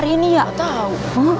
lu siap tadi sifat